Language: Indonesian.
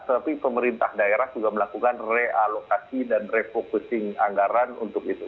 tapi pemerintah daerah juga melakukan realokasi dan refocusing anggaran untuk itu